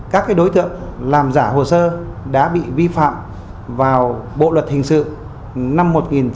các đối tượng làm giả hồ sơ đã bị vi phạm vào bộ luật hình sự năm một nghìn chín trăm bảy mươi năm